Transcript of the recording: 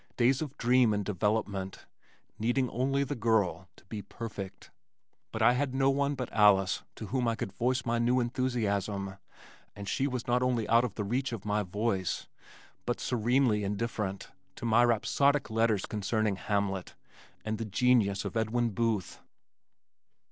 Days of dream and development, needing only the girl to be perfect but I had no one but Alice to whom I could voice my new enthusiasm and she was not only out of the reach of my voice, but serenely indifferent to my rhapsodic letters concerning Hamlet and the genius of Edwin Booth.